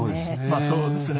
まあそうですね。